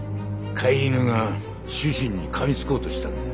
飼い犬が主人に噛みつこうとしたんだ。